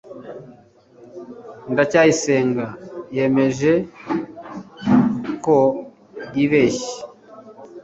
ndacyayisenga yemeje j ko yibeshye